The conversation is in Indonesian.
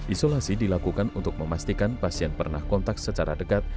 isolasi dilakukan untuk memastikan pasien pernah kontak secara dekat